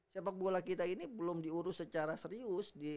sepak bola kita ini belum diurus secara serius